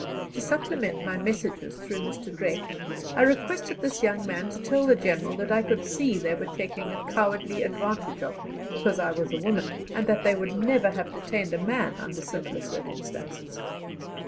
To supplement my messages through Mr. Drake, I requested this young man to tell the General that I could see they were taking a cowardly advantage of me because I was a woman, and that they would never have detained a man under similar circumstances.